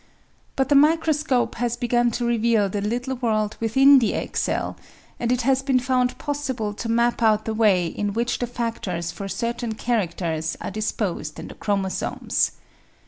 But the microscope has begun to reveal the little world within the egg cell, and it has been found possible to map out the way in which the factors for certain characters are disposed in the chromosomes.